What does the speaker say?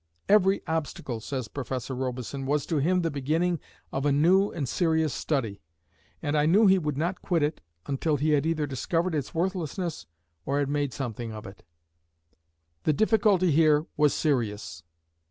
"Every obstacle," says Professor Robison, "was to him the beginning of a new and serious study, and I knew he would not quit it until he had either discovered its worthlessness or had made something of it." The difficulty here was serious.